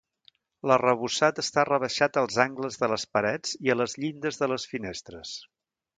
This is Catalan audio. L'arrebossat està rebaixat als angles de les parets i a les llindes de les finestres.